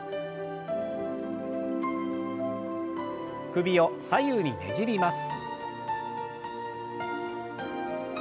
首を左右にねじります。